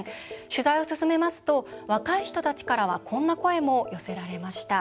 取材を進めますと若い人たちからはこんな声も寄せられました。